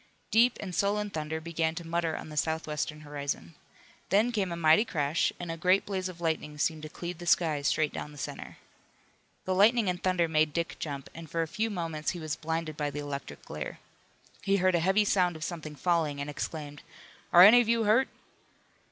Deep and sullen thunder began to mutter on the southwestern horizon. Then came a mighty crash and a great blaze of lightning seemed to cleave the sky straight down the center. The lightning and thunder made Dick jump, and for a few moments he was blinded by the electric glare. He heard a heavy sound of something falling, and exclaimed: "Are any of you hurt?"